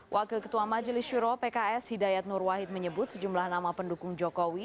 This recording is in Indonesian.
wakil ketua majelis syuro pks hidayat nur wahid menyebut sejumlah nama pendukung jokowi